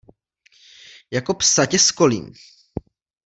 Jako psa tě skolím!